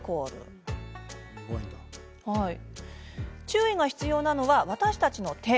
注意が必要なのは、私たちの手。